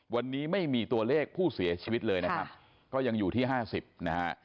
วันนี้ไม่มีตัวเลขผู้เสียชีวิตเลยนะครับก็ยังอยู่ที่๕๐นะฮะ